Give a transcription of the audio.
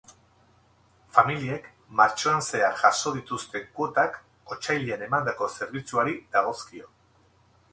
Familiek martxoan zehar jaso dituzten kuotak otsailean emandako zerbitzuari dagozkio.